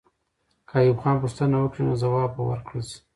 که ایوب خان پوښتنه وکړي، نو ځواب به ورکړل سي.